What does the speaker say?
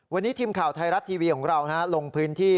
วันนี้ทีมข่าวไทยรัฐทีวีของเราลงพื้นที่